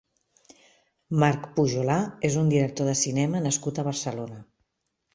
Marc Pujolar és un director de cinema nascut a Barcelona.